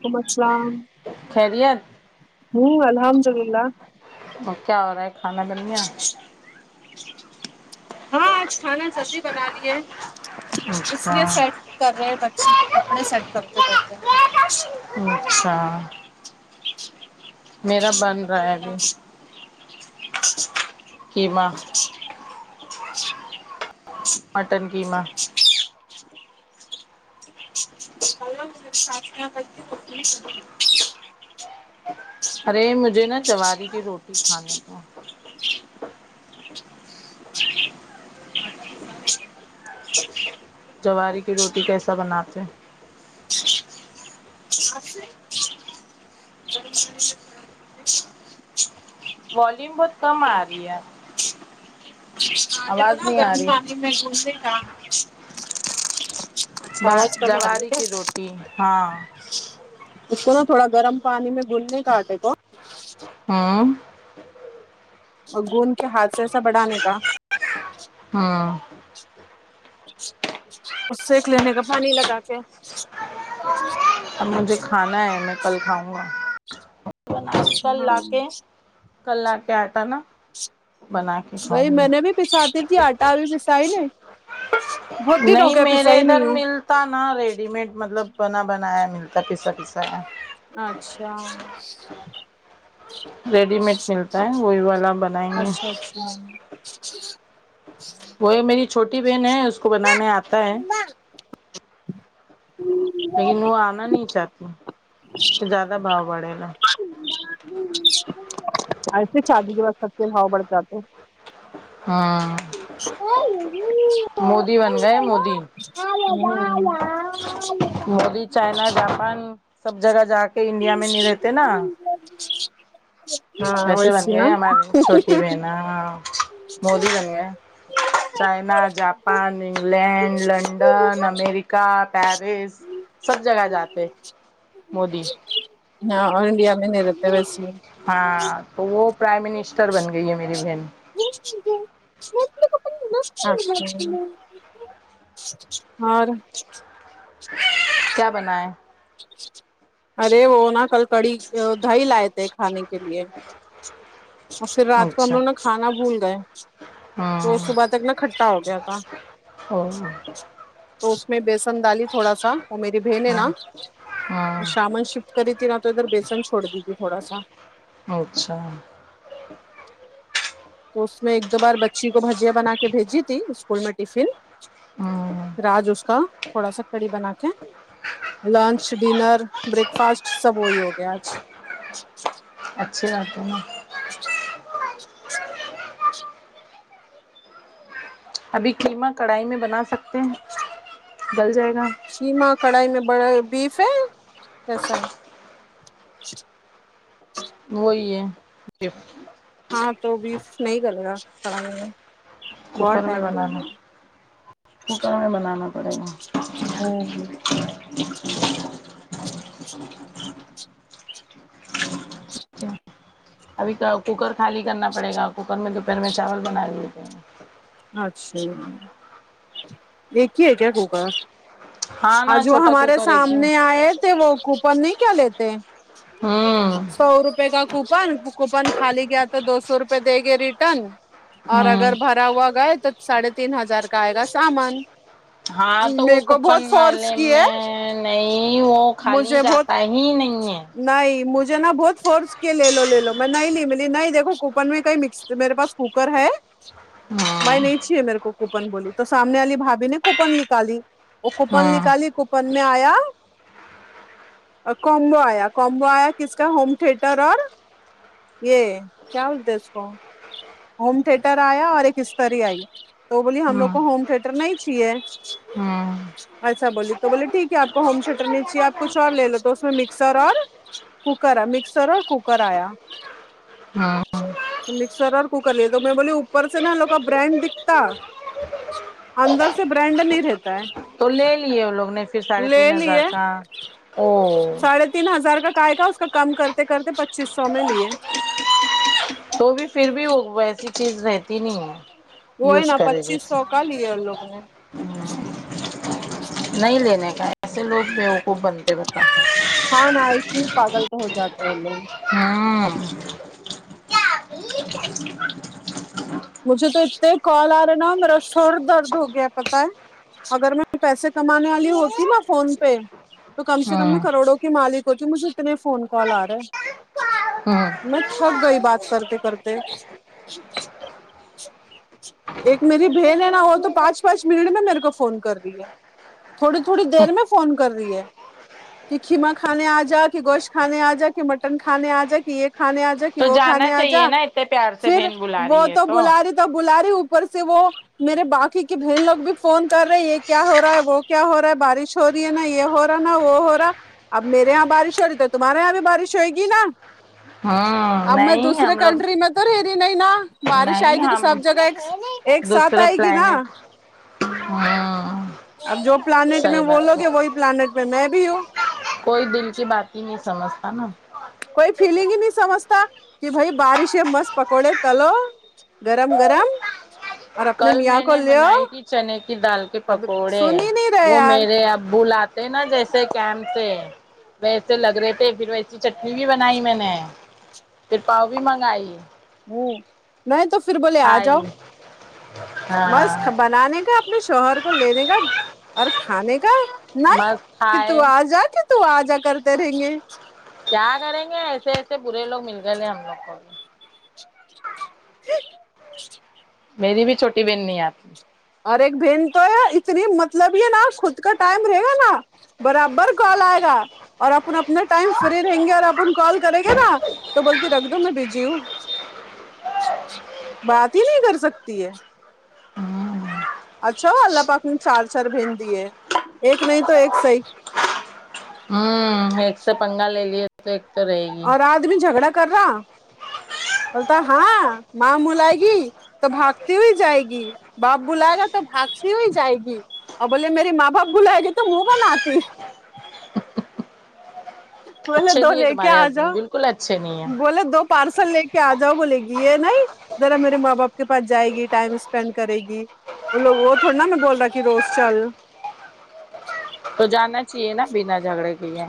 ولیکم السلام خیریت ہوں الحمد للہ وہ کیا ہو رہا ہے کھانا بن گیا ہاں آج کھانا جلدی بنا لیے اس اچھا لیے سیٹ کر رہے ہیں بکچی کے کپڑے سیٹ کرتے بیٹھے ہیں ہوں اچھا میرا بن رہا ہے ابھی اچ چچ قیماں اچ چچ مٹن قیمہ الو سات ہوک س [unintelligible] ارے مجھے نا جواری کی روٹی کھانے کو جواری کی روٹی کیسا بناتے ہیں س [unintelligible] ج س شک [unintelligible] والوم بہت کم آ رہی ہے آواز نہیں آ رہی میں پوسے کام اچھا با آواز کم آ رہی ہے جواری کیا؟ کی روٹی ہاں اس کو نا تھوڑا گرم پانی میں گلنے کاٹے کو ہوں گند کے ہاتھ سے ایسا بڑھانے کا ہاں اس سے لینے کا پانی لگا کے اب مجھے کھانا ہے میں کل کھاؤں گا کل ہاں آ کے کل لا کے آٹا نا بنا کے بی کھاؤں گی میں نے بھی پساتی تھی آٹا بھی پسائی نہیں بہت دن ہو نہیں گیا پسا میرے ہی نہیں ادھر ہوں ملتا نا ریڈی مڈ مطلب بنا بنایا ملتا پیسا پیسا کا اچھا ریڈی مڈ ملتا ہے وہی والا بن اچھا اچھا وہ یہ میری چھوٹی بہن ہے اس کو بنانے آتا ہے ہوں لیکن وہ آنا نہیں چاہتی اس کو زیادہ بھاؤ بڑھے لا ایسے شادی کے بعد سب سے بھاؤ بڑھ جاتے ہاں مودی بن گئے مودی [unintelligible] گی چائنا جاپان سب جگہ جا کے انڈیا میں نہیں رہتے نا [unintelligible] ویسے بن ویسی گئے نا ہماری چھوٹی بہن آ مودی بن گئے چائنا جاپان انگلینڈ لنڈن امیری کا پیرس سب جگہ جاتے مودی ہاں اورانڈیا میں نہیں رہتے ہے بس ہاں تو وہ پرائم منسٹر بن گئی ہے میری بہن [unintelligible] اور کیا بنایا ارے وہ نا کل کڑی دہی لائے تھے کھانے کے لیے اور پھر رات کو ہم اچھا لوگ نا کھانا بھول گئے تو ہاں صبح تک نہ کھٹا ہو گیا تھا اور تو اس میں بیسن ڈالی تھوڑا سا وہ میری بہن ہے ہاں نا ہاں شامن شفٹ کری تھی نہا تو ادھر بیسن چھوڑ دی تھی تھوڑا سا اچھا تو اس میں ایک دو بار بچی کو بھجیاں بنا کے بھیجی تھی اسکول میں ٹفن ہاں راج اس کا تھوڑا سا کڑی بنا کے لنچ ڈنر بریک فاسٹ سب وہی ہو گیا آج اچھے آ تے نا [inaudible] ابھی قیمہ کڑھائی میں بنا سکتے ہیں گل جائے گا شیما کڑھائی میں بڑا بیف ہے کیسا ہی وہی ہے گفٹ ہاں تو بیف نہیں گلے گا کڑھائ میں بہت کوکر میں ٹائم بنانا کوکر میں بنانا پڑے گا ہوں کیا ابھی کوکر خالی کرنا پڑے گا کوکر میں دوپہر میں چاول بنائے ہوئے تھے اچھا ایک ہی ہے کیا کوکر ہاں نا آج وہ چھوٹا ہمارے کوکر ایک ہی ہے۔ سامنے آئے تو وہ کوپن نہیں کیا لیتے ہوں سو روپے کا کوپن کوپن خالی گیا تو دو سو روپئے دے گے ریٹرن اور اگر ہوں بھرا ہوا گئے تو ساڑھے تین ہزار کا آئے گا سامان ہاں تو وہ میرے کو کوپن بہت فورس والے کیے میں نہیں وہ خالی مجھے بہت جاتا ہی نہیں ہے نہیں مجھے نا بہت فورس کے لے لو لے لو میں نہیں لی ملی نہیں دیکھو کوپن میں کہئی مکس میرے پاس کوکر ہے ہاں میں نہیں چھیے میرے کو کوپن بولی تو سامنے والی بھابھی نے کوپن نکالی وہ کوپن ہاں نکالی کوپن میں آیا کومبو آیا کومبو آیا کس کا ہوم تھیٹر اور یہ کیا بولتے اس کو ہوم تھیٹر آیا اور ایک استری آئی تو وہ بولیے ہم لوگ ہاں کو ہوم تھیٹر نہیں چاہے ہاں ایسا بولیے تو بولے ٹھیک ہے آپ کو ہوم تھیٹر نہیں چاہے آپ کچھ اور لے لو تو اس میں مکسر اور کوکر ہے مکسر اور کوکر آیا ہاں مکسر اور کوکر لے تو میں بولی اوپر سے نہ لوگ برانڈ دکھتا اندر سے برانڈ نہیں رہتا ہے تو لے لیے وہ لوگ نے پھر ساڑھے تین لے ہزار لیے کا او ساڑھے تین ہزار کا کاہے گا اس کا کم کرتے کرتے پچیس سو میں لیے تو بھی پھر بھی وہ ویسی چیز رہتی نہیں ہے وہی یوز نا کرے پچیس جیسے سو کا لیے ان لوگ نے نہیں لینے کا ایسے لوگ بوقوف بنتے بتاؤ ہاں نہ ایسے ہی پاگل تو ہو جاتے ہیں لوگ ہوں کیا [inaudible] مجھے تو اتنے کال آ رہا نا میرا سر درد ہو گیا پتا ہے اگر میں پیسے کمانے والی ہوتی نا فون پہ تو کم سے کم میں ہاں کروڑوں کی مالک ہو تی مجھے اتنے فون کال آ رہے ہاں میں تھک گئی بات کرتے کرتے ایک میری بہن ہے نا وہ تو پانچ پانچ منٹ میں میرے کو فون کر رہی ہے تھوڑی تھوڑی دیر میں فون کر رہی ہے کہ کھیمہ کھانے آ جا کہ گوشت کھانے آ جا کہ مٹن کھانے آ جا کہ ایک کھانے آ جا کہ تو وہ جانا کھانے آ جا چاہیے نا اتنے پیار سے پھر بہن بلا وہ رہی ہے تو بلا تو بلا رہے اوپر سے وہ میرے باقی کے بہن لوگ بھی فون کر رہے یہ کیا ہو رہا ہے وہ کیا ہو رہا ہے بارش ہو رہی ہے نا یہ ہورا ہے نا وہ ہو را اب میرے یہاں بارش ہو رہی ہے تو تمہارے یہاں بھی بارش ہوئیگی نا ہاں اب میں نہیں دوسرے ہم لوگ کنٹری میں تو رہ رہی نہیں نا بارش آئے نہیں گی تو ہم سب جگہ ایک ایک ساتھ دوسرے آئے گی نا پلانٹ ہاں اب جو پلانٹ میں صحیح وہ بات لوگ ہے وہی پلانٹ میں میں بھی ہوں کوئی دل کی بات ہی نہیں سمجھتا نا کوئی فیلنگ ہی نہیں سمجھتا کہ بھائی بارش ہے مست پکوڑے تلو گرم گرم اور اپنے کل میاں میں کو نے لیو بنائی تھی چنے کی دال کے اب پکوڑے سن ہی نہیں رہے وہ یار میرے ابو لا تھے نا جیسے کیمپ سے ویسے لگ رہے تھے پھر ویسی چٹنی بھی بنائی میں نے پھر پاؤ بھی منگائی ہوں نہیں تو پھر بولے آ جاؤ کھائی مست ہاں بنانے اپنے شوہر کو لینے کا اور کھانے کا نہیں مست کہ تو کھائے آ جا کہ تو آ جا کرتے رہیں گے کیا کریں گے ایسے ایسے برے لوگ مل گئے لے ہم لوگ کو [unintelligible] میری بھی چھوٹی بہن نہیں ہے اور ایک بہن تو ہے اتنی مطلبی نا خود کا ٹائم رہے گا نا برابر کال آئے گا اور اپن اپنا ٹائم فری رہیں گے اور اپن کال کریں گے نا تو بولتی رکھ دو میں بزی ہوں بات ہی نہیں کر سکتی ہے اچھا ہوا اللہ پاک نے چار چار بہن دیئے ایک نہیں تو ایک صحیح ہوں ایک سے پنگا لے لیے تو ایک تو رہے گی اور جھگڑا کررا بولتا ہاں ماں بولائیگی تو بھاگتی ہوئی جائے گی باپ بلائے گا تو بھاگتی ہوئی جائے گی اور بولے میری ماں باپ بلائے گی تو منہ بناتی بولے اچھے دو نہیں ہے لے کے تمہارے آ جاؤ ہسبینڈ بالکل اچھے نہیں ہے بولے دو پارسل لے کے آ جاؤ بولے گی یے نہیں ذرا میرے ماں باپ کے پاس جائے گی ٹائم اسپینڈ کرے گی وہ لوگ وہ تھوڑی نا میں بول رہا کہ روز چل تو جانا چاہیے نا بنا جھگڑے کیے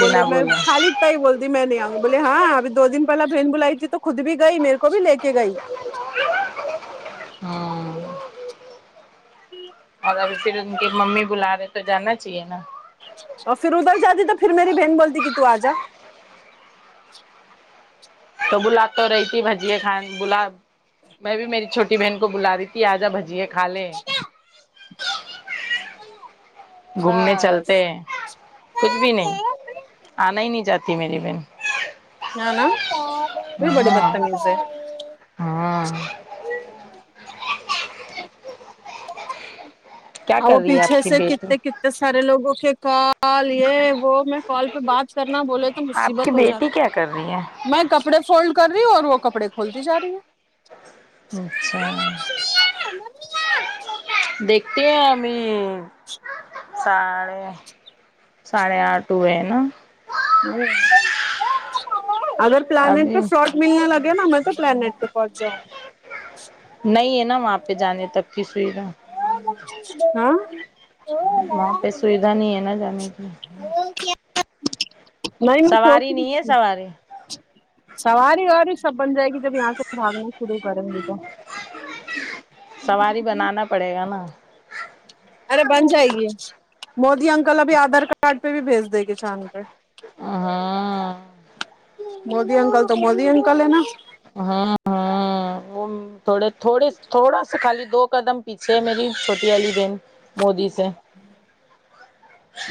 بولے بنا میں بولا خالی میں بول دی میں نہیں آؤںی بولے ہاں ابھی دو دن پہلے بہن بلائی تھی تو خود بھی گئی میرے کو بھی لے کے گئی ہاں اگر اسے دن ان کی ممی بلا رہے تو جانا چاہیے نا اور پھر ادھر جاتی تو پھر میری بہن بولتی کہ ت تو آ جا تو بلا تو رہی تھی بھجے خان بلا میں بھی میری چھٹی بہن کو بلا دی تھی آجا بھجییا کھا لیں گھومنے چلتے بس ہیں کچھ بھی نہیں آنا ہی نہیں جاتی میری بہن نا نا بھئی بڑے بد ہاں تمیز ہے ہاں کیا ہاں وہ کر رہی ہے پیچھے آپ کی سے بیٹی کتنے کتنے سارے لوگوں کے کال یہ وہ میں کال پہ بات کرنا بولے تو آپ کی مصیبت ہو بیٹی جاتی کیا کر رہی ہے میں کپڑے فولڈ کر رہی ہوں اور وہ کپڑے کھولتی جا رہی ہے اچھا دیکھتے ہیں ہم ہی ساڑے ساڑے آٹھ ہوئے نا جی ہے اگر پلانیٹ پہ ابھی پلاٹ ملنے لگے نا ہمیں تو پلانیٹ پہ پہنچ جاؤں نہیں ہے نا وہاں پہ جانے تک کی سویدھا ہاں وہاں پہ سویدھا نہیں ہے نا جانے کی نہیں میں سوچ سواری رہی نہیں ہے تھی سواری سواری واری سب بن جائے گی جب یہاں سے بھاگنا شروع کریں گی تو سواری بنانا پڑے گا نا ارے بن جائے گی مودی انکل ابھی آدھار کارڈ پہ بھی بھیج دے گی چاند پہ ہاں مودی انکل تو مودی انکل ہے نا ہاں ہاں وہ تھوڑے تھوڑے تھوڑا سا خالی دو قدم پیچھے ہے میری چھوٹی والی بہن مودی سے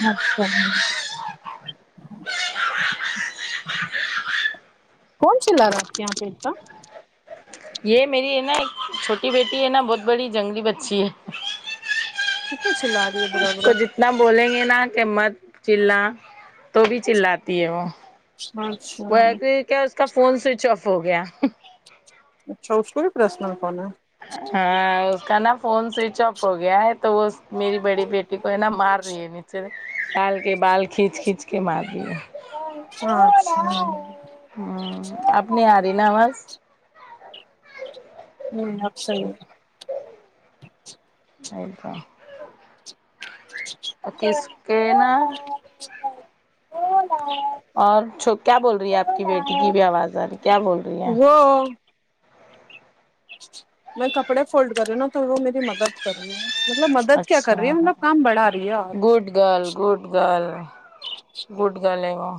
اچھا جی کون چلا رہا آپ کے یہاں پہ اتتا یہ میری ہے نا ایک چھوٹی بیٹی ہے نا بہت بڑی جنگلی بچی ہے کتنا چلا لاری برا برا نہ بولیں گے نا کہ مت چلا تو بھی چللاتی ہے وہ وہ ہے کہ کیا اس کا فون سوئچ آف ہو گیا اچھا اس کو بھی پرسنل فون ہے ہاں اس کا نا فون سوئچ آف ہو گیا ہے تو وہ میری بڑی بیٹی کو ہے نا مار رہی ہے نیچے سے ڈال کے بال کھینچ کھینچ کے کے مار رہی ہے ہ اچھا ہن اب نھ آرہی نا آواز نہیں اب صحیح ہے ا توا کسکینا ہ [unintelligible] اور چھو کیا بول رہی ہے آپ کی بیٹی کی بھی آواز آرہی کیا بول رہی ہے وہ میں کپڑے فولڈ کر رہی ہوں نا تو وہ میری مدد کر رہی ہے مطلب مدد کیا کر اچھا رہی ہے مطلب کام بڑھا رہی ہے اور good girl good girl good girl ہے وہ